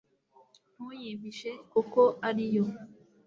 ntuyimpishekuko ari yo